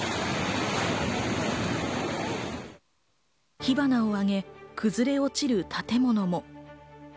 火花を上げ、崩れ落ちる建物も。